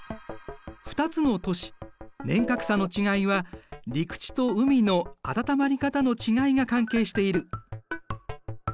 ２つの都市年較差の違いは陸地と海の温まり方の違いが関係している。